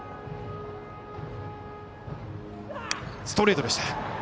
ストレートでした。